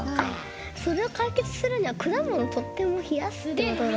それをかいけつするには果物をとっても冷やすってことが。